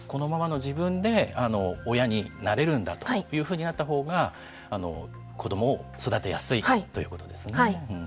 このままの自分で親になれるんだというふうになったほうが子どもを育てやすいはい。